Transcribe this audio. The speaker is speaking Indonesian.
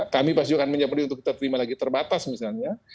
kami pasti juga akan menjaga pendidikan kita terima lagi terbatas misalnya